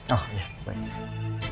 oh iya baik